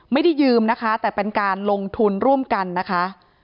ไม่ได้ยืมนะคะแต่เป็นการลงทุนร่วมกันนะคะ